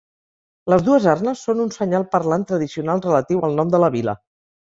Les dues arnes són un senyal parlant tradicional relatiu al nom de la vila.